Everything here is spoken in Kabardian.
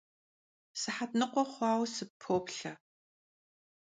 Sıhet nıkhue xhuaue sıppoplhe.